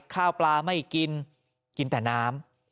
ข้าวปลาไม่กินกินแต่น้ำ